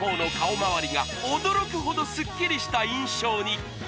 まわりが驚くほどすっきりした印象に！